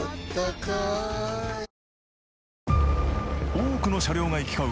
多くの車両が行き交う